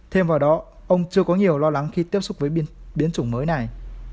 thêm vào đó ông chưa có nhiều lo lắng khi tiếp xúc với biến chủng mới này